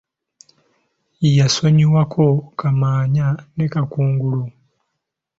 Yasonyiwako Kamaanya ne Kakungulu.